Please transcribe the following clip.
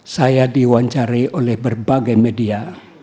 saya diwawancari oleh berbagai media